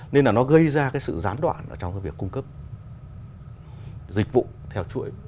nên là nó gây ra cái sự gián đoạn trong việc cung cấp dịch vụ theo chuỗi logistics